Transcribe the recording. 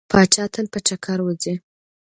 پاچا تل په چکر وځي.